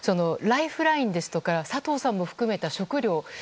ライフラインですとか佐藤さんも含めた、食料。